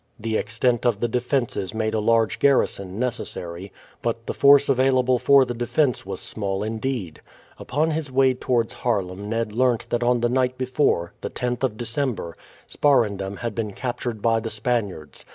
The extent of the defences made a large garrison necessary; but the force available for the defence was small indeed. Upon his way towards Haarlem Ned learnt that on the night before, the 10th of December, Sparendam had been captured by the Spaniards.